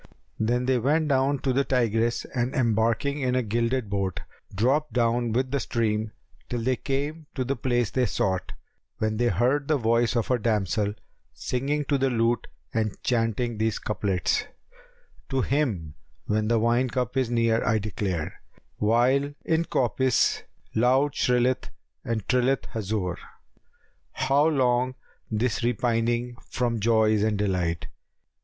Then they went down to the Tigris and embarking in a gilded boat, dropped down with the stream, till they came to the place they sought, when they heard the voice of a damsel singing to the lute and chanting these couplets, "To him when the wine cup is near I declare, * While in coppice loud shrilleth and trilleth Hazбr, 'How long this repining from joys and delight?